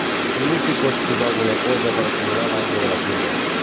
Miro si pots posar alguna cosa per acumular l'aigua de la pluja.